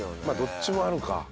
まあどっちもあるか。